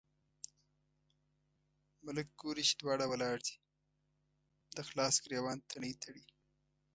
ملک ګوري چې دواړه ولاړ دي، د خلاص ګرېوان تڼۍ تړي.